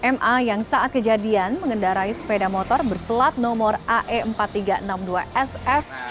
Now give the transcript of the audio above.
ma yang saat kejadian mengendarai sepeda motor berpelat nomor ae empat ribu tiga ratus enam puluh dua sf